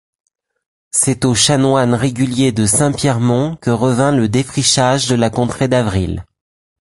C'est aux chanoines réguliers de Saint-Pierremont que revint le défrichage de la contrée d'Avril.